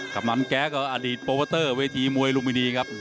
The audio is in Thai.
กับนั้นแก่ก็อดีตประวัตเตอร์เวทีมวยลุมินีครับ